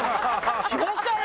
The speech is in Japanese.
「来ましたね！」